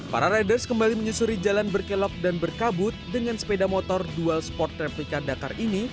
para riders kembali menyusuri jalan berkelok dan berkabut dengan sepeda motor dual sport replika dakar ini